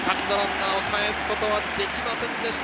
セカンドランナーをかえすことはできませんでした。